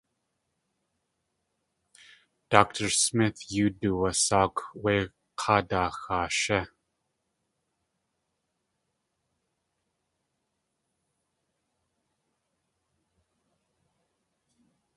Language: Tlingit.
Dr. Smith yóo duwasáakw wé k̲aadaaxaashí.